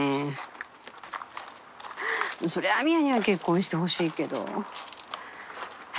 そりゃ深愛には結婚してほしいけど私